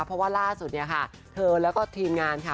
เพราะว่าล่าสุดเนี่ยค่ะเธอแล้วก็ทีมงานค่ะ